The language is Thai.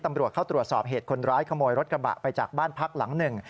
ตำรวจเข้าตรวจสอบเหตุคนร้ายขโมยรถกระบะไปจากบ้านพักหลังหนึ่ง